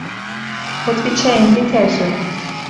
Отвечӓен тетяжӹ.